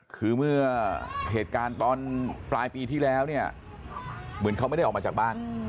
คือเมื่อเหตุการณ์ตอนปลายปีที่แล้วเนี่ยเหมือนเขาไม่ได้ออกมาจากบ้าน